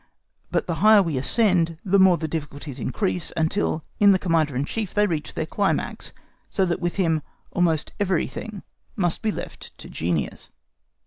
But the higher we ascend the more the difficulties increase, until in the Commander in Chief they reach their climax, so that with him almost everything must be left to genius.